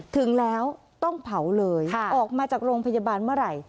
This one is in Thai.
ถึงแล้วต้องเผาเลยออกมาจากโรงพยาบาลเมื่อไหร่